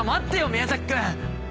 宮崎君！